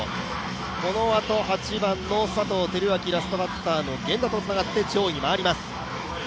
このあと、８番の佐藤輝明、ラストバッターの源田とつながって、上位に回ります。